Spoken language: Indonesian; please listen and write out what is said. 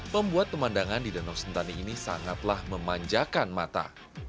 membuat pemandangan di danau sentani ini sangatlah memanjakan mata